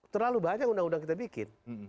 terlalu banyak undang undang kita bikin